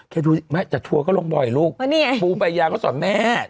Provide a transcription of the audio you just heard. แค่ดูแม่จะทัวก็ลงบ่อยลูกปูปัญญาก็สอนแม่